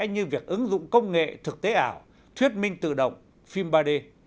như việc ứng dụng công nghệ thực tế ảo thuyết minh tự động phim ba d